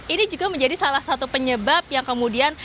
ini juga menjadi salah satu penyebab yang kemudian